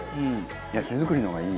いや手作りの方がいい。